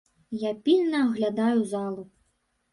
Я пільна аглядаю залу.